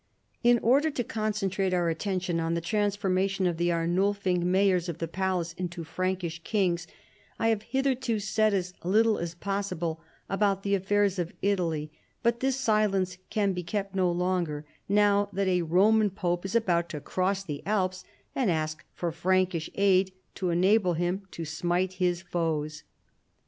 In order to concentrate our attention on the transformation of the Arnulfing mayors of the palace into Frankish kings, I have hitherto said as little as possible about the affairs of Italy, but this silence can be kept no longer, now that a Roman pope is about to cross the Alps and ask for Frankish aid to enable hira to smite down his foes.